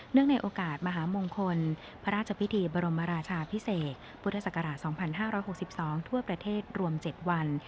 ในโอกาสมหามงคลพระราชพิธีบรมราชาพิเศษพุทธศักราช๒๕๖๒ทั่วประเทศรวม๗วัน